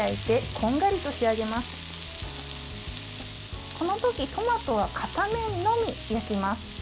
このときトマトは片面のみ焼きます。